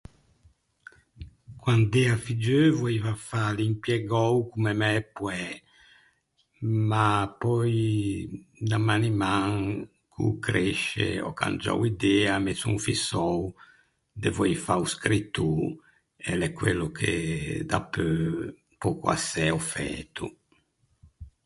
Quand’ea figgeu voeiva fâ l’impiegou comme mæ poæ, ma pöi da maniman co-o cresce ò cangiou idea, me son fissou de voei fâ o scrittô, e l’é quello che dapeu pöcoassæ ò fæto.